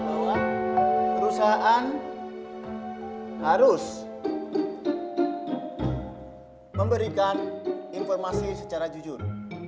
bahwa perusahaan harus memberikan informasi secara jujur